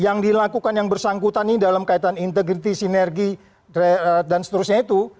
yang dilakukan yang bersangkutan ini dalam kaitan integrity sinergi dan seterusnya itu